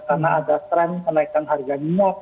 karena ada tren kenaikan harga nilai